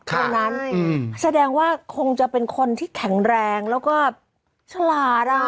ตรงนั้นแสดงว่าคงจะเป็นคนที่แข็งแรงแล้วก็ฉลาด